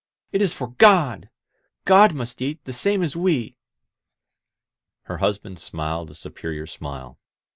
"It is for God ! God must eat, the same as we. •••" Her husband smiled a superior smile.